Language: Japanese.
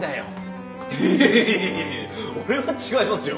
いやいやいや俺は違いますよ。